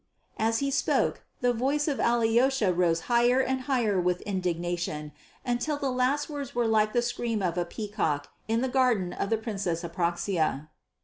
As he spoke, the voice of Alyosha rose higher and higher with indignation until the last words were like the scream of a peacock in the garden of the Princess Apraxia.